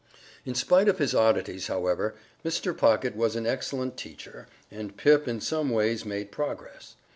In spite of his oddities, however, Mr. Pocket was an excellent teacher, and Pip in some ways made progress.